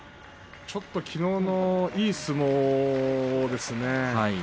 ちょっときのうのいい相撲をですね